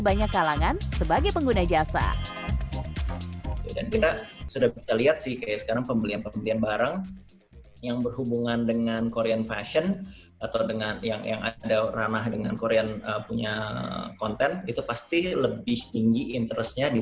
bagaimana situasi ini